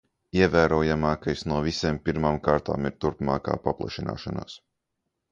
Ievērojamākais no visiem pirmām kārtām ir turpmākā paplašināšanās.